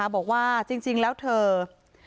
บอกว่าจริงหรือเถอะ